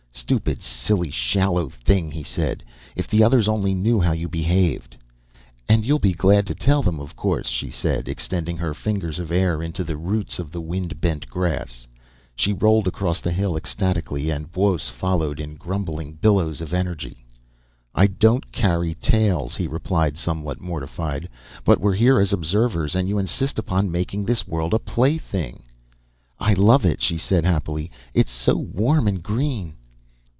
"Stupid, silly, shallow thing!" he said. "If the others only knew how you behaved " "And you'll be glad to tell them, of course," she said, extending her fingers of air into the roots of the wind bent grass. She rolled across the hill ecstatically, and Buos followed in grumbling billows of energy. "I don't carry tales," he replied, somewhat mortified. "But we're here as observers, and you insist upon making this world a plaything ..." "I love it," she said happily. "It's so warm and green."